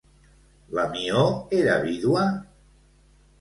La Mió era vídua?